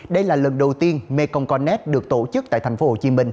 đây là lần đầu tiên mekong connect được tổ chức tại tp hcm